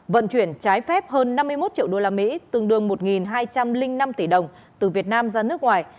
vận chuyển trái phép hơn năm mươi một triệu đô la mỹ tương đương một hai trăm linh năm tỷ đồng từ việt nam ra nước ngoài